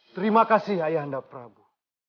terima kasih ayah anda prabu